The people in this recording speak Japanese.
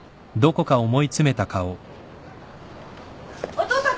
・お父さん